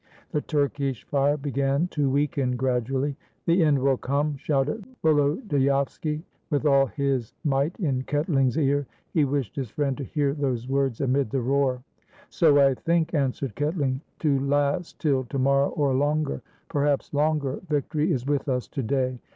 The Turkish fire began to weaken gradually. "The end will come!" shouted Volodyovski, with all his might, in Ketling's ear. He wished his friend to hear those words amid the roar. 137 RUSSIA "So I think," answered Ketling. "To last till to morrow, or longer?" "Perhaps longer. Victory is with us to day."